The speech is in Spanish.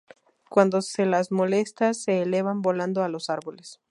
Cuando se las molesta se elevan volando a los árboles.